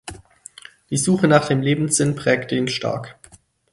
Die Suche nach dem Lebenssinn prägte ihn stark.